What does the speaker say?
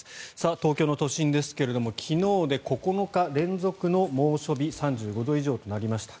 東京都心ですが昨日で９日連続の猛暑日３５度以上となりました。